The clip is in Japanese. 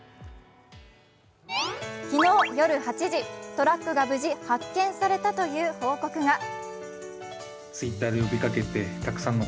昨日夜８時、トラックが無事発見されたという報告が。